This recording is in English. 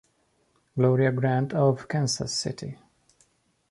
Gloria Grant of Kansas City!